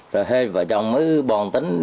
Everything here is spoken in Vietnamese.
rồi hết vợ chồng mới bòn tính